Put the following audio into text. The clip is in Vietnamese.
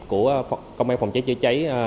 của công an phòng cháy dưới cháy